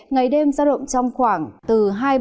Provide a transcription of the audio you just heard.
ngày đêm ra động trong khoảng từ hai mươi ba đến ba mươi bốn độ